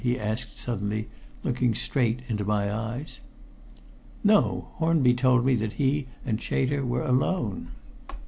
he asked suddenly, looking straight into my eyes. "No. Hornby told me that he and Chater were alone."